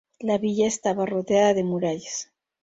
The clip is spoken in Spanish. La villa estaba rodeada de murallas.